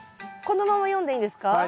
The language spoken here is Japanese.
このまま読んでいいんですか？